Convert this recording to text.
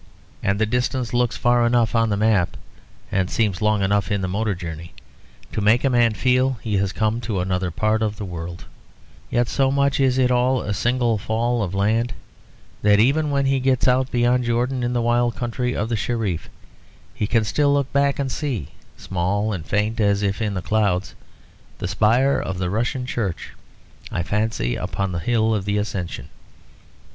And the distance looks far enough on the map, and seems long enough in the motor journey, to make a man feel he has come to another part of the world; yet so much is it all a single fall of land that even when he gets out beyond Jordan in the wild country of the Shereef he can still look back and see, small and faint as if in the clouds, the spire of the Russian church (I fancy) upon the hill of the Ascension.